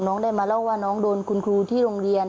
ได้มาเล่าว่าน้องโดนคุณครูที่โรงเรียน